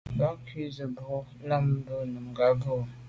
Mb’a’ ghù ju z’a ke’ bwô là Bam nà num mbwôge.